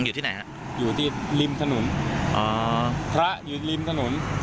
อยู่ที่ไหนฮะอยู่ที่ริมถนนพระอยู่ริมถนน